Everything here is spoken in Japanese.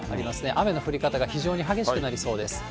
雨の降り方が非常に激しくなりそうです。